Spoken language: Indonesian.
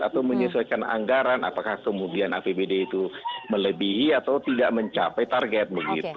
atau menyesuaikan anggaran apakah kemudian apbd itu melebihi atau tidak mencapai target begitu